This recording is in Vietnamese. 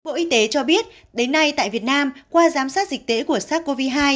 bộ y tế cho biết đến nay tại việt nam qua giám sát dịch tễ của sars cov hai